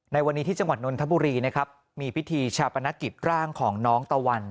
ในวันนี้ที่จังหวัดนนทบุรีนะครับมีพิธีชาปนกิจร่างของน้องตะวัน